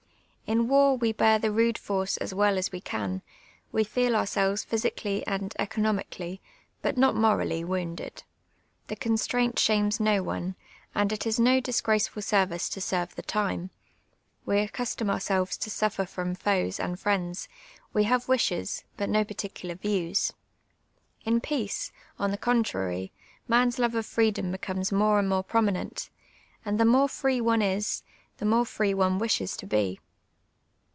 In war we bear the rude force as well as we can, we feel oiu'selves i)hvsicallv and economicallv, but not morallv, woundi'd : the constraint shames no one, and it is no disgraceful service to serve the time ; we accustom ourselves to suffer from foes and friends; we have wishes, but no particular views. In j)eace, on the contrary, man's love of freedom becomes more and more jjrominent, and the nu)rc free one is, the more free one wishes to be.